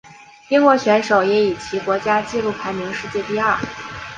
英国选手也以其国家纪录排名世界第二。